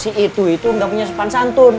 si itu itu gak punya sepan santun